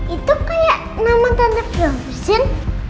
itu kayak nama tante filozin